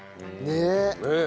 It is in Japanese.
ねえ。